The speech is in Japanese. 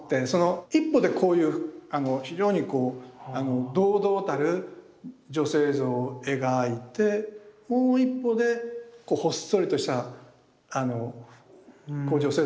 一方でこういう非常に堂々たる女性像を描いてもう一方でほっそりとした女性像を描きますよね。